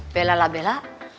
bela lah bela